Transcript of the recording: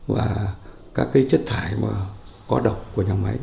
và các chất thải có độc của nhà máy